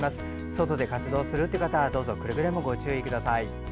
外で活動する方はくれぐれもご注意ください。